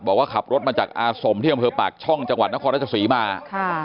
บอกว่าขับรถมาจากอาสมที่อำเภอปากช่องจังหวัดนครราชศรีมาค่ะ